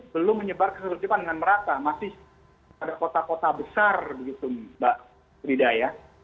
belum menyebar keseluruhan dengan merata masih ada kota kota besar begitu mbak frida ya